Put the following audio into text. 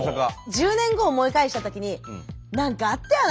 １０年後思い返したときに何かあったよな